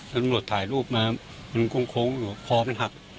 ตำรวจถ่ายรูปมามันโค้งอยู่คอมันหัก